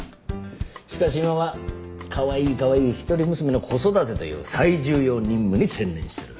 しかし今はカワイイカワイイ一人娘の子育てという最重要任務に専念してる。